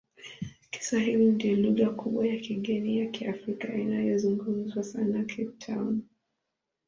Kiswahili ndiyo lugha kubwa ya kigeni ya Kiafrika inayozungumzwa sana Cape Town.